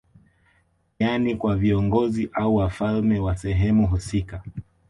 Yani kwa viongozi au wafalme wa sehemu husika